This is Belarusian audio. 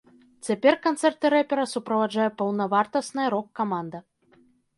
Цяпер канцэрты рэпера суправаджае паўнавартасная рок-каманда.